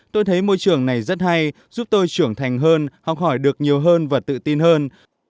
tôi thấy môi trường này rất hay giúp tôi trưởng thành hơn học hỏi được nhiều hơn và tự tin hơn